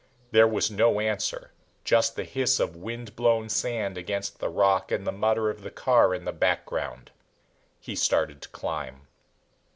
There was no answer just the hiss of wind blown sand against the rock and the mutter of the car in the background. He started to climb.